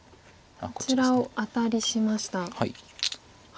こちらをアタリしました。